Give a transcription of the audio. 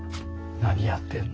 何やってんの？